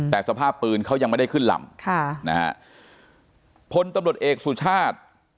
แต่สภาพปืนเขายังไม่ได้ขึ้นลำค่ะนะฮะพลตำรวจเอกสุชาติ